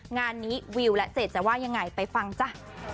งานนี้วิวแล้วเสร็จแต่ว่ายังไงไปฟังจ้ะ